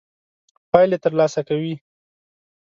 پايلې تر لاسه کوي.